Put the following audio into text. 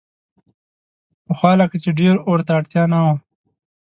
پخوا لکه چې ډېر اور ته اړتیا نه وه.